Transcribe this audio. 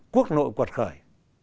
quốc nội quật khởi